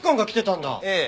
ええ。